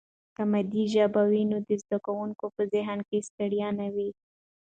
که مادي ژبه وي نو د زده کوونکي په ذهن کې ستړیا نه وي.